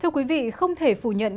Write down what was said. thưa quý vị không thể phủ nhận